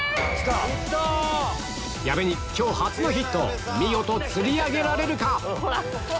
矢部に今日初のヒット見事釣り上げられるか？